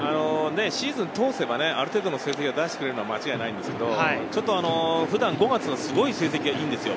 シーズン通せば、ある程度の成績を出してくれるのは間違いないんですけど、普段５月のすごい成績がいんですよ